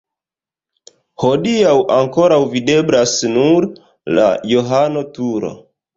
Hodiaŭ ankoraŭ videblas nur la Johano-turo.